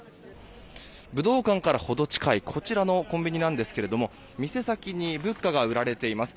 武道館から程近いこちらのコンビニですが店先に仏花が売られています。